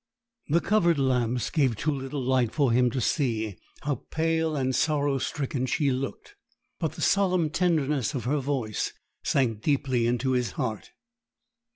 The covered lamps gave too little light for him to see how pale and sorrow stricken she looked; but the solemn tenderness of her voice sank deeply into his heart.